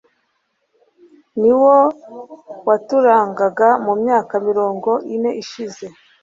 ni wo waturangaga mu myaka mirongo ine ishize